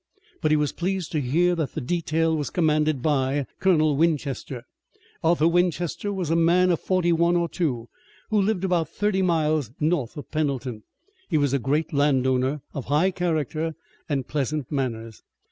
But he was pleased to hear that the detail was commanded by Colonel Winchester. Arthur Winchester was a man of forty one or two who lived about thirty miles north of Pendleton. He was a great landowner, of high character and pleasant manners.